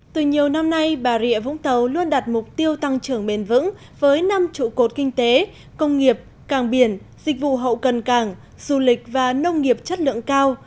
từ nhiều năm nay bà rịa vũng tàu luôn đặt mục tiêu tăng trưởng bền vững với năm trụ cột kinh tế công nghiệp càng biển dịch vụ hậu cần cảng du lịch và nông nghiệp chất lượng cao